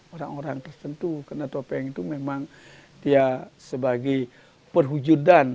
orang orang tertentu karena topeng itu memang dia sebagai perhujudan